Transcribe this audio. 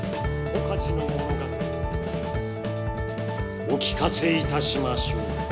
お聞かせいたしましょう。